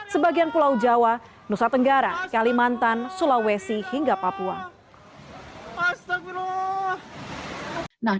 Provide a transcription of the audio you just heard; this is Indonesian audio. sebagian pulau jawa nusa tenggara kalimantan sulawesi hingga papua